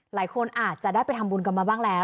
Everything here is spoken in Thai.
หลายคนอาจจะได้ไปทำบุญกันมาบ้างแล้ว